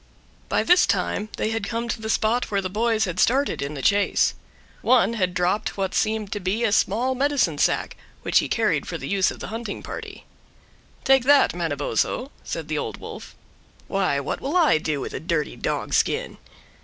By this time they had come to the spot where the boys had started in chase. One had dropped what seemed to be a small medicine sack, which he carried for the use of the hunting party. "Take that, Manabozho," said the Old Wolf. "Why, what will I do with a dirty dog skin?"